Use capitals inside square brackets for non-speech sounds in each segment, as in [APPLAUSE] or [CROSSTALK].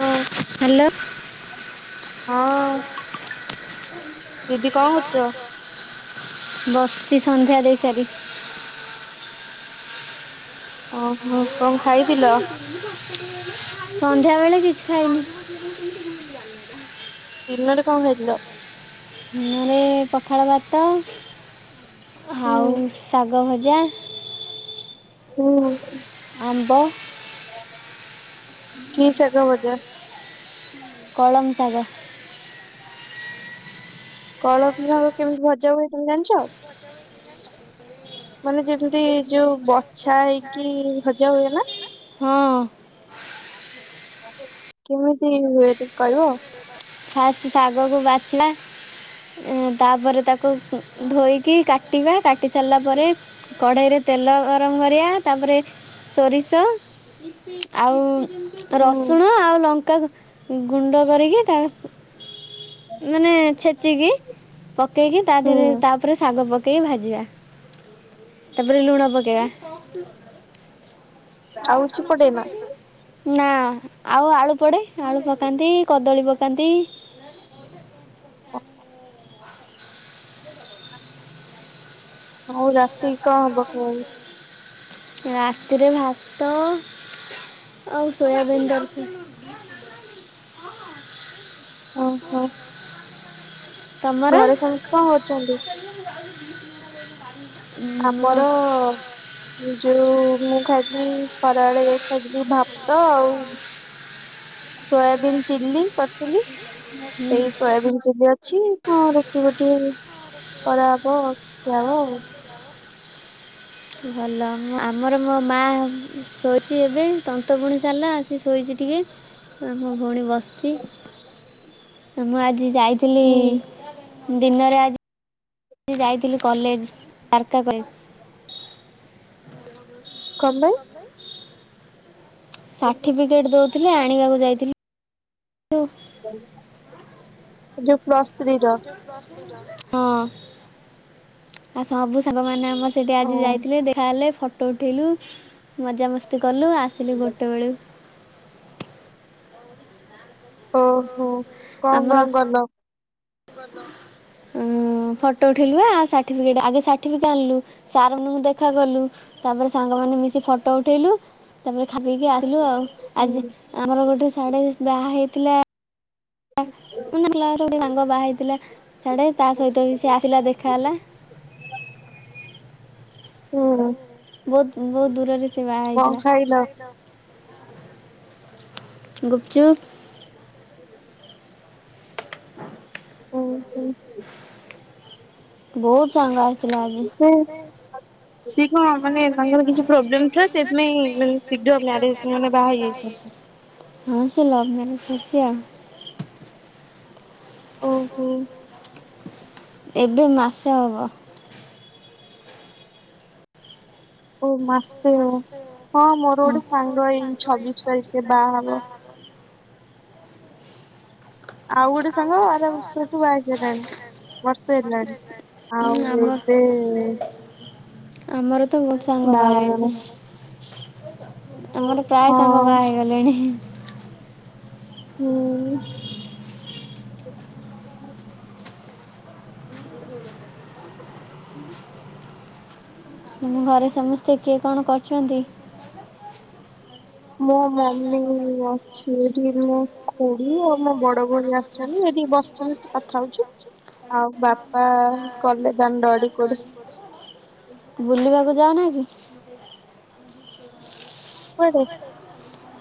ହଁ ହେଲ୍ଲୋ ହଁ ଦିଦି କଣ କ [UNINTELLIGIBLE] ବସିଛି ସନ୍ଧ୍ୟା ଦେଇ ସାରି। ଓ ହୋ [INAUDIBLE] ସଞ୍ଜ ଧ୍ୟା ବେଳେ କିଛି ଖାଇନି। ଦିନରେ କାମ ଖାଏଥିଲ। କଣ। ଆଉ ହୁଁ। ଶାଗ ଭଜ ଯାଏ। ହୁଁ। ଆମ୍ବ। କି ଶାଗ ଭଜା। କଳମ ସାଗ। କଳମ। ସାଗ କେମିତି ଭଜା ହୁଏ ତମେ ଜାଣିଛ। ମାନେ ଯେମିତି ଯୋଉ ବଛା ହେଇକି ଭଜା ହୁଏ ନା। ହଁ। କେମିତି ଟିକ କଇବ ଫାଷ୍ଟ ଶାଗକୁ ବାଛିଲା ତାପରେ ତାକୁ ଧୋଇକି କାଟିବା କାଟି ସାରିଲା ପରେ କଢ଼େଇରେ ତେଲ ଗରମ କରିବା ତାପରେ ସୋରିଷ ଆଉ ହୁଁ। ରସୁଣ ଆଉ ଲଙ୍କା ଗୁଣ୍ଡ କରିକି ତା [UNINTELLIGIBLE] ମାନେ ଛେଚିକି ପକେଇକି ତା ଦେହରେ ହୁଁ ତାପରେ ଶାଗ ପକେଇ ପକେଇ ଭାଯିବା ତାପରେ ଲୁଣ ପକେଇବା ଆଉ କିଛି ପଡେନା? ନା। ଆଉ ଆଳୁ ପଡେ ଆଳୁ ପକାନ୍ତି କଦଳୀ ପକା କାନ୍ତି। ଆଉ ରାତିକି କଣ ଖବ ଖାଇବାକୁ। ରାତିରେ ଭାତ ଆଉ ସୋୟାବିନ ତରକାରୀ ଓ ହୋ। ତମର ଘରେ ସମସ୍ତେ କଣ କରୁଚନ୍ତି। [UNINTELLIGIBLE] ଆମର ମୋ- ଯୋଉ। ମୁଁ ଖାଇଥିଲି ଖରାବେଳେ ଖାଇଥିଲି ଭାତ ଆଉ। ସୋୟାବିିନ ଚିଲ୍ଲି କରିଥିଲି ହୁଁ, ସେଇ ସୋୟାବିିନ ଚିଲ୍ଲି ଅଛି କଣ ରୁଟି ବୁଟି। କରାହବ ଖିଆ ହବ ଆଉ। ଭଲ ମୁଁ ଆମର ମୋ ମାଆ ସିଏବି ତନ୍ତ ବୁଣି ସାରିଲା ଆସି ଶୋଇଛି ଟିକେ। ଆ ମୋ ଭଉଣୀ ବସିଛି। ମୁଁ ଆଜି ଯାଇଥିଲି ହୁଁ ଦିନରେ ଆଜି ମୁଁ ଯାଇଥିଲି କଲେଜ କାନ୍ତା କଲ। କଲେଇ। ସାର୍ଟିଫିକେଟ ଦଉଥିଲେ ଆଣିବାକୁ ଯାଇଥିଲି। ଯୋ ପ୍ଲସ ସ୍ତ୍ରୀ ର ହଁ ଆ ସବୁ ସାଙ୍ଗ ମାନେ ଆ ମର ସେଇଠି ଓ ଆଜି ଯାଇଥିଲେ ଦେଖାହଲେ। ଫ ଫଟୋ ଉଠେଇଲୁ ମଜାମସ୍ତି କଲୁ। ଆସିଲୁ ଗୋଟେବେଳୁ। ଓ ହୋ। କଣ ଆମର କଣ କରଲ? ଉଁ ଫଟୋ ଉଠେଇଲୁ ବା। ସାଟିପିକେଟ ଆଗେ ସାତିଫିକେଟ ଆଣିଲୁ। ସାର୍ ମନଙ୍କୁ ଦେଖା କଲୁ। ତାପରେ ସାଙ୍ଗ ମାନ ମିଶି ଫଟୋ ଉଠେଇଲୁ। ତାପରେ ଖାପିକି ଆସିଲୁ ଆଉ। ଆଜି ହୁଁ। ଆମର ଗୋଟେ ଶାଢ଼େ ବାହା ହେଇ ପ୍ଲେ ଆ ମାନେ କ୍ଲାସର ଗୋଟେ ସାଙ୍ଗ ବାହା ହେଇଥିଲା ସାଡେ ତା ସହିତ ବି ସେ ଆସିଲା ଦେଖା ହେଲା। ହୁଁ। ବହୁତ ବହୁତ ଦୂରରେ ସେ ବାହା କଣ ଖାଇଲ? ହେଇଥିଲା। ଗୁପଚୁପ। ହୁଁ ହଁ। ବହୁତ ସାଙ୍ଗ ଆସିଥିଲା ଆଜି ନାଇ। ସେ କଣ ମାନେ ତାଙ୍କର କିଛି ପ୍ରୋବ୍ଲେମ ଥିଲା, ସେଇଥିପାଇଁ ଶୀଘ୍ର ମାରେଜ୍ ମାନ ବାହା ହେଇଚନ୍ତି? ହଁ ସେ ଲଭ୍ ମ୍ୟାରେଜ କରଛି ଆଉ। ଓହୋ। ଏବେ ମାସେ ହବ। ଓ ମାସ? ଏଇ ଛବିଶ ତାରିଖରେ ବାହା ହବ। ହୁଁ। ଆଉ ଗୋଟେ ସାଙ୍ଗ ଆର ବର୍ଷଠୁ ବାହା ହେଇ ସାଇଲାଣି ବର୍ଷ ହେଲାଣି। ଆଉ ଆମର ଏବେ ଆମର ତ ବହୁତ୍ ସାଙ୍ଗ ବାହା ବାହାଘର ହେଇ [INAUDIBLE] ଆମର ପ୍ରାୟ ହଁ ସାଙ୍ଗ ବାହା ହେଇଗଲେଣି। ହୁଁ। ଆମ ଘରେ ସମସ୍ତେ କିଏ କଣ କରଚନ୍ତି? ମୋ ମମି ଅଛି ଏଠି, ମୋ ଖୁଡି ଆଉ ମୋ ବଡ ଭଉଣୀ ଆସିଛନ୍ତି ଏଠି ବସିଛନ୍ତି କଥା ହଉଛି। ଆଉ ବାପା ଗଲେ ଦାଣ୍ଡ ଆଡେ କୁଆଡେ ବୁଲିବାକୁ ଯାଉନା କି? [UNINTELLIGIBLE] କୁଆଡେ?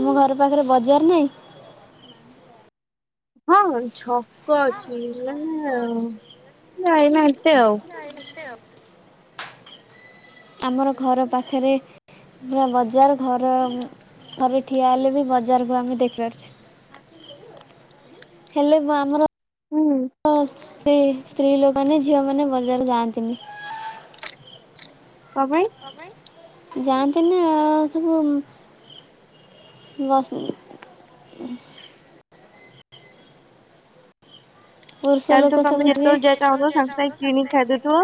ଆମ ଘର ପାଖରେ ବଜା ଜେର୍ନାଇ ହଁ ଛକ ଅଛି ନା ନା ଯାଇନା ଏତେ ଆଉ ଆମର ଘର ପାଖରେ ପା ବଜାର ଘର ଘରେ ଠିଆ ହେଲେ ବି ବଜାରକୁ ଆମେ ଦେଖିପାରୁଛେ ହେଲେ ଆମର ହୁଁ ସେ ସ୍ତ୍ରୀ ଲୋକମାନେ ଝିଅ ମାନେ ବଜାର ଯାଆନ୍ତିନି। କପାଇଁ? କପାଇଁ ଯାଆନ୍ତି ନା ଆ ସବୁ ବସ ପୁରୁଷ ତାହେଲେ ତ ଲୋକ ତମେ ସବୁ ଯେତେବେଳେ ଯାହା ଚାହୁଁଥିବ ସାଙ୍ଗେ ସାଙ୍ଗେ କିଣିକି ଖାଇଦଉଥିବ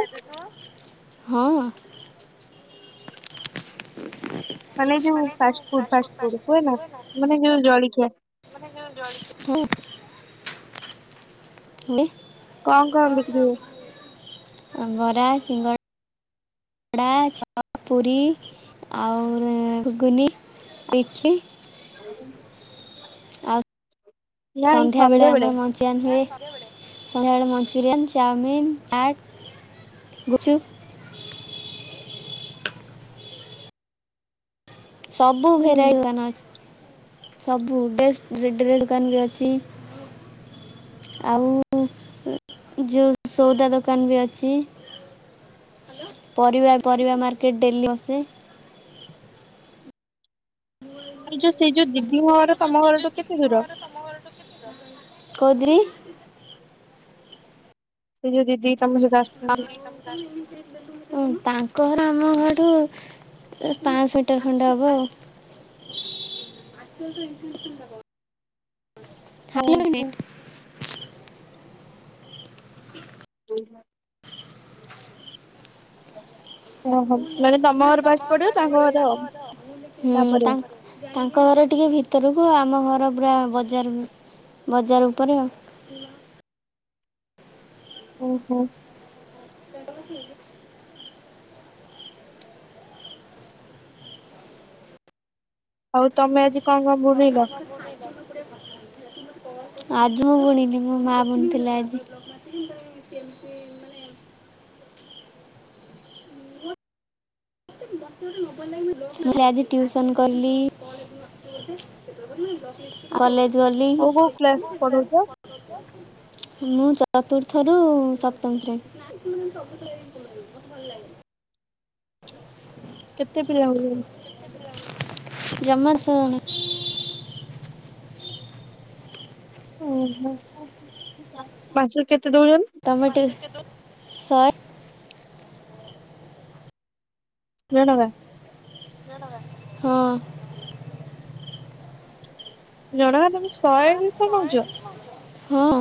ହଁ। ମାନେ ଯୋଉ ଫାଷ୍ଟ ଫୁଡ ଫାଷ୍ଟ ଫୁଡ କୁହେ ନା ମାନେ ଯୋଉ ଜଳିଖିଆ [UNINTELLIGIBLE] କଣ କଣ ବିକ୍ରି ହୁଏ? [UNINTELLIGIBLE] ବରା ସିଙ୍ଗଡ଼ା କଡ଼ା ଚପ୍ ପୁରୀ ଆଉ ଉ ଘୁଗୁନି ଇଟଲି। [UNINTELLIGIBLE] ଆଉ ନାଇଁ ସନ୍ଧ୍ୟାବେଳେ ସନ୍ଧ୍ୟା ବେଳେ ଆମର ମଞ୍ଚୁରିଆନ୍ ହୁଏ। ସନ୍ଧ୍ୟାବେଳେ ମଞ୍ଚୁରିଆନ୍, ଚାଉମିନ୍, ଚାଟ୍, ଗୁୁପଚୁପ ସବୁ ଭେରାଈ ହୁଁ। ଦୋକାନ ଅଛି ସବୁ ଡ୍ରେସ୍ ଡ୍ରେ ଡ୍ରେ ଦୋକାନ ବି ଅଛି ଆଉ ଯୁ ସଉଦା ଦୋକାନ ବି ଅଛି ପରିବା ପରିବା ମାର୍କେଟ ଡେଲି ବସେ। ଆରେ ଯୋ ସେଇ ଯୋ ମୋ ଘର ତମ ଘରଠୁ କେତେ ଦୂର? [UNINTELLIGIBLE] ସେଇ ଯୋଉ ଦିଦି ତମ ସହିତ ଆ ଆସୁଛନ୍ତି? [INAUDIBLE] ତାଙ୍କ୍ କହର ଆମ ଘରୁ ପାଁଶହଟେ ଖଣ୍ଡ ହବ ଆଉ। ଅ ହଁ [INAUDIBLE] [UNINTELLIGIBLE] [UNINTELLIGIBLE] ମାନେ ତମ ହୁଁ ଘର ଫାଷ୍ଟ ପଡିବ ତାଙ୍କ ଘର ତାପରେ ତାଙ୍କ ଘର ଟିକେ ଭିତରକୁ ଆମ ଘର ଘରପୁରା ବଜାର ବଜାର ଉପରେ ଆଉ। ଓହୋ ଆଉ ତମେ ଆଜି କଣ କଣ ବୁଣିଲ? ଆଜି ମୁଁ ବୁଣିନି ମୋ ମା ବୁଣିଥିଲା ଆଜି। ମୁଁ ଆଜି ଟ୍ୟୁସନ୍ କଲି କଲେଜ ଗଲି। କୋଉ କୋଉ କ୍ଲାସ ପଢ଼ଉଛ? ମୁଁ ଚତୁର୍ଥରୁ ସପ୍ତମ ଶ୍ରେଣୀ। କେତେ ପିଲା ହଲେଣି? ଜମାରୁ ଛ ଜଣ ଓ ହୋ [UNINTELLIGIBLE] ମାସକୁ କେତେ? ଦଉଛନ୍ତି ତମେ ଟିକ ସାର୍। ନା ନବା? ହଁ। ଜଣକା ତମେ ଶହେ ଦୁଇଶହ ନ‌ଉଚ? ହଁ।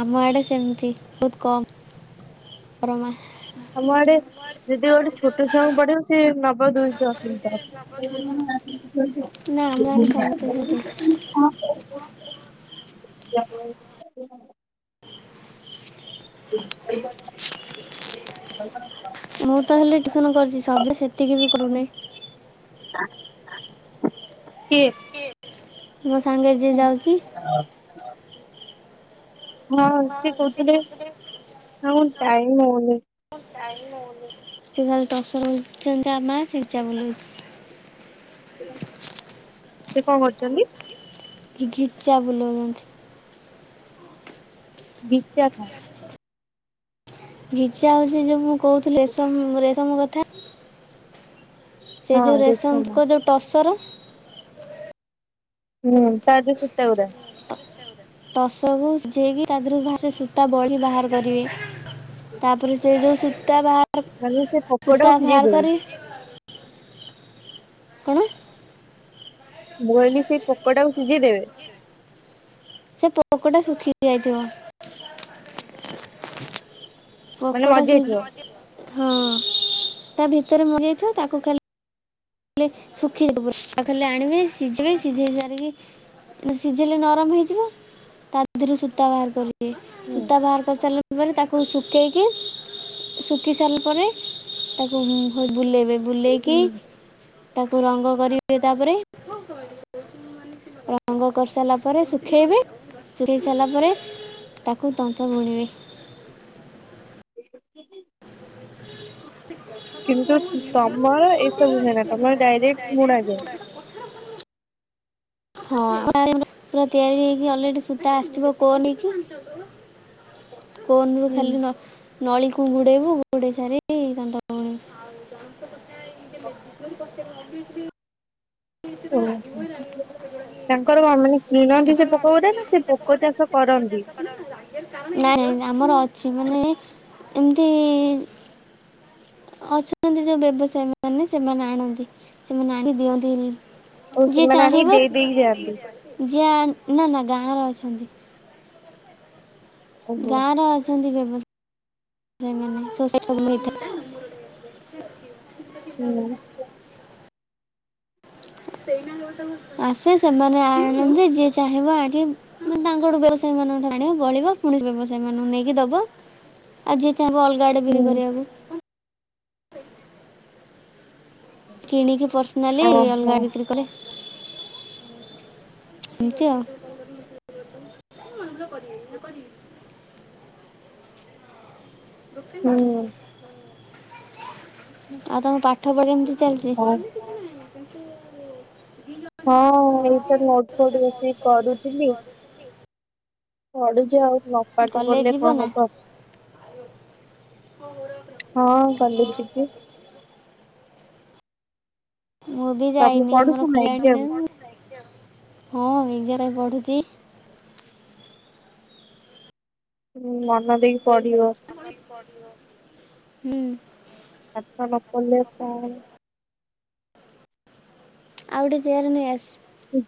ଆମ ଆଡେ ସେମତି ବହୁତ କମ୍ ପରମା। ଆମ ଆଡେ ଯଦି ଗୋଟେ ଛୋଟ ଛୁଆଙ୍କୁ ପଢ଼େଇବ ସେ ନବ ଦୁଇଶହ ତିନିଶହ। ନା ଆମ ଗାଁରେ ସମସ୍ତେ ସେମିତି। [UNINTELLIGIBLE] [INAUDIBLE] [INAUDIBLE] ମୁଁ ତ ହେଲେ ଟ୍ୟୁସନ୍ କରୁଛି ସଭିଏଁ ସେତିକି ବି କରୁନି କିଏ? ମୋ ସାଙ୍ଗେ ଯିଏ ଯାଉଚି। ହଁ ସିଏ କହୁଥିଲେ ହଁ ଟାଇମ ହଉନି। ସେ ତାହଲେ [UNINTELLIGIBLE] ଯା ମା ସେ [UNINTELLIGIBLE] ସେ କଣ କରୁଚନ୍ତି? କି ଘିଚା ବୁଲଉଚନ୍ତି! ବିଚାଥା। ଗିଚା ହଉଚି ଯୋଉ ମୁଁ କହୁଥିଲି ରେଶମ ରେ ତମ କଥା ସେ ଯଉଁ ରେଶମ ପୁକ ଯଉଁ ଟସର। ହୁଁ ତାରି ଯଉ ସୁତା ଗୁଡା। ଟସର କୁ ସିଝେଇକି ତା ଦିହରୁ ଭା ସେ ସୂତା ବଢିକି ବାହାର କରିବେ। ତାପରେ ସେ ଯଉ ସୂ ତା ବାହା ମାନେ ସେ ପୋକ ଟାକୁ ସିଝେଇ ଦିଅନ୍ତ୍ କଣ? ମୁଁ କହିଲି ସେଇ ପୋକ ଟାକୁ ସିଝେଇ ଦେବେ। ସେ ପୋକଟା ଶୁଖି ଯାଇଥିବ। ମାନେ ପୋକଟା ସେ ମରିଯାଇଥିବ ଜ ହଁ ତା ଭିତରେ ମରି ଯାଇଥିବ ତାକୁ ଖାଲି ଲି ଶୁଖିଯିବ ପୁରା। ତାକୁ ଖାଲି ଆଣିବି, ସିଝିବି ସିଝେଇବେ ଆଣିକି। ନ ସିଝେଇଲେ ନରମ ହେଇଯିବ, ତା ଦେହରୁ ସୂତା ବାହାର କରିବ। ହୁଁ ସୂତା ବାହାର କରିସାରିଲା ପରେ ତାକୁ ସୁ ଶୁଖେଇକି ଶୁଖି ସାରିଲା ପରେ ତାକୁ ଭ ବୁଲେଇବେ ବୁଲେଇକି ହୁଁ ତାକୁ ରଙ୍ଗ କରିବେ ତାପରେ। ରଙ୍ଗ କରି ସାରିଲା ପରେ ଶୁଖେଇବେ। ଶୁଖେଇ ସାରିଲା ପରେ ତାକୁ ତନ୍ତ ବୁଣିବେ। [INAUDIBLE] କିନ୍ତୁ ତମର ଏସବୁ ହୁଏନା ତମର? ଡାଇରେକ୍ଟ ମୁଣା ଯେ ହଁ [UNINTELLIGIBLE] ପା ତିଆରି ହେଇକି ଅଲରେଡି ସୂତା ଆସିଥିବ କୋନ ହେଇକି। କୋନ ରୁ ହୁଁ ଖାଲି ନ ନଳି କୁଗୁଡେଇବୁ ଗୁଡେଇ ସାରିକି [UNINTELLIGIBLE] ଭଉଣୀ। [UNINTELLIGIBLE] [INAUDIBLE] ଓହୋ ତାଙ୍କର କଣ ମାନେ କିଣନ୍ତି ସେ ପୋକ ଗୁରା ନା ସେ ପୋକ ଚାଷ କରନ୍ତି ନାଇ। ଆମର ଅଛି ମାନେ ଏମିତି ଅଛନ୍ତି ଯଉ ବ୍ୟବସାୟୀ ମାନେ ସେମାନେ ଆଣନ୍ତି। ସେମାନେ ଆଣିକି ଦିଅନ୍ତିନି। ଓ ସେମାନେ ଆଣି ଦେଇ ଦେଇ ଯାଆନ୍ତି। ଯିଆ ନା ନା ଗାଁରେ ଅଛନ୍ତି। ଓହୋ। ଗାଁ ର ଅଛନ୍ତି ବ୍ୟବସ୍ ସେ ମାନେ ସୋସାଇଟି ସବୁ ନେଇଥା ହୁଁ [UNINTELLIGIBLE] ଆସେ। ସେମାନେ ଆଣନ୍ତି ଯିଏ ଚାହିଁବ ଆଗେ ମାନେ ତାଙ୍କଠୁ ବ୍ୟବସାୟୀ ମାନଙ୍କଠୁ ଆଣିବ, ବଳିବ ପୁଣି ବ୍ୟବସାୟୀ ମାନଙ୍କୁ ନେଇକି ଦବ। ଆଉ ଯିଏ ଚାବୁ ଅଲଗା ଆଡେ ବି ହୁଁ କରିବାକୁ [INAUDIBLE] କିଣିକି ପର୍ସନାଲି ଓହୋ ଅଲଗା ବିକ୍ରି କଲେ। ଏମିତି ଆଉ। ହୁଁ। [UNINTELLIGIBLE] ଆଉ ତମ ପାଠ ପଢ କେମିତି ଚାଲିଚି? ଓ [UNINTELLIGIBLE] ହଁ ଏଇତ ନୋଟ ଫୋଟ ବ ହ କରୁଚି। [UNINTELLIGIBLE] ପଢ଼ୁଚି ଆଉ। ନପାଠ କଲେଜ ପଢିଲେ ଯିବ କଣ ନା ହବ? ହଁ [UNINTELLIGIBLE] [INAUDIBLE] ମୁଁ ବି ତମେ ଯାଇନି ପଢୁଛ ମୋର ନା ଖୋଲି ଲାଣି ଏକ୍ଜାମ [UNINTELLIGIBLE] ହଁ ହେ ନିଜ ପାଇଁ ପଢ଼ୁଚି। ହଁ ମନ ଦେଇକି ପଢ଼ିବ। ହୁଁ। ଆପଣ ନ ପଢ଼ିଲେ କାଳେ ଆଉଡ ଚରନ ସ୍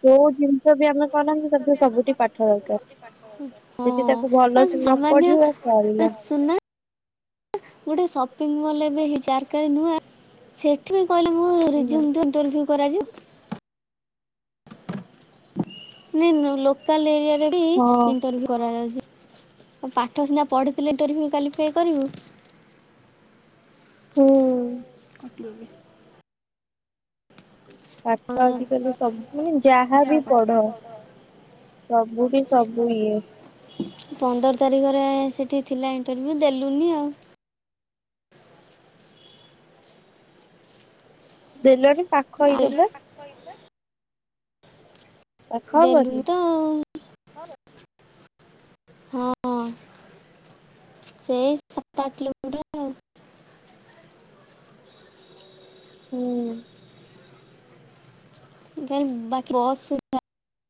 ଯଉ ଦିନ ହଁ ସୁ ଦରକାର ଗୋଟେିଲବେ ଯଦି ତାକୁ ଭଲସେ କ ନ ପଢିବା ନୂଆ ସରିଲା ସେଠୁ କହିଲେ ମୁଁ ରିଜ୍ୟୁମ୍ ଦ ହୁଁ ଇଣ୍ଟର୍ୟୁ କରାଯିବ ନଁ ନ ଲୋକଲ ଏରିଆ ହଁ ଇଣ୍ଟରୁ କରାଯାଉଛି ଆ ପାଠ ସିନା ପଢିଥିଲେ ଟୋରିଫି କ୍ଵାଲିଫାଏ କରିବୁ ହୁଁ ପକ୍୍ଲବୀ ପାଠ ଆଜିକାଲି ସବୁ ମାନେ ଯାହାବ ଛାଡ଼ କଥା ପଢ ସବୁଠି ସବୁ ଇଏ ପନ୍ଦର ତାରିଖରେ ସେଇଠି ଥିଲା ଇଣ୍ଟରଭ୍ୟୁ ଦେଲୁନି ଆଉ ଦେଡଲର ପାଖ ଆଉ ହେଇଦବା ଦେଲୁ ହବନି? ତ ହଁ ସେଇ ସାତ ଆଠ କିଲୋମିଟର ହୁଁ ବାକି ବହୁତ ସୁି